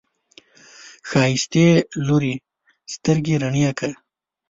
ښايستې لورې، سترګې رڼې که!